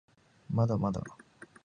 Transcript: まだまだ